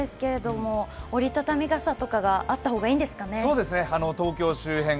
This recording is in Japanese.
今はそんな感じないですけれども、折り畳み傘とかがあった方がいいんですかね。